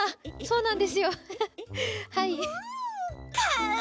うん。